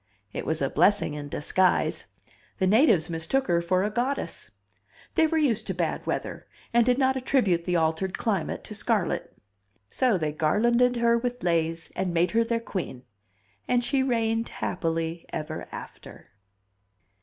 It was a blessing in disguise. The natives mistook her for a goddess. They were used to bad weather, and did not attribute the altered climate to Scarlett. So they garlanded her with leis and made her their queen. And she rained happily ever after.